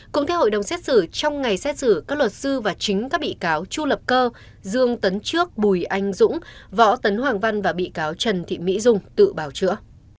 cũng theo hội đồng xét xử trong ngày xét xử các luật sư và chính các bị cáo chu lập cơ dương tấn trước bùi anh dũng võ tấn hoàng văn và bị cáo trần thị mỹ dung tự bào chữa